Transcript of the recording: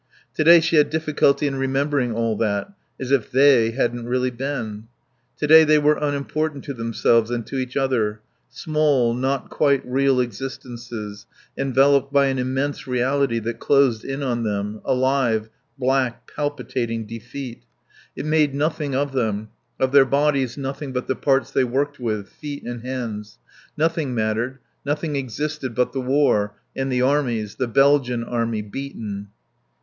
To day she had difficulty in remembering all that, as if they hadn't really been. To day they were unimportant to themselves and to each other; small, not quite real existences, enveloped by an immense reality that closed in on them; alive; black, palpitating defeat. It made nothing of them, of their bodies nothing but the parts they worked with: feet and hands. Nothing mattered, nothing existed but the war, and the armies, the Belgian army, beaten.